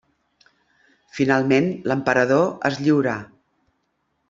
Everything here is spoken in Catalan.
Finalment l'emperador es lliurà.